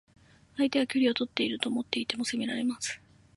相手は距離をとっていると思っていても攻められます。